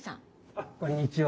あっこんにちは。